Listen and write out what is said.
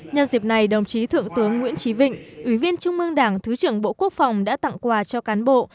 nhân dịp này đồng chí thượng tướng nguyễn trí vịnh ủy viên trung mương đảng thứ trưởng bộ quốc phòng đã tặng quà cho cán bộ